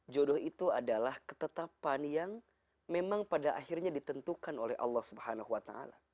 jodoh itu adalah ketetapan yang memang pada akhirnya ditentukan oleh allah swt